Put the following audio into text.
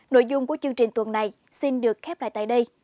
nội dung của chương trình tuần này xin được khép lại tại đây